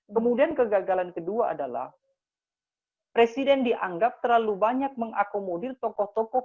kemudian kegagalan kedua adalah presiden dianggap terlalu banyak mengakomodir tokoh tokoh